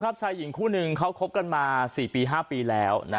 ชายหญิงคู่นึงเขาคบกันมา๔ปี๕ปีแล้ว